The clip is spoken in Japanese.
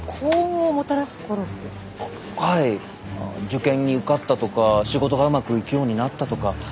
受験に受かったとか仕事がうまくいくようになったとか。